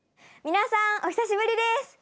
皆さんお久しぶりです。